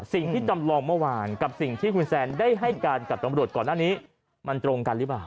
จำลองเมื่อวานกับสิ่งที่คุณแซนได้ให้การกับตำรวจก่อนหน้านี้มันตรงกันหรือเปล่า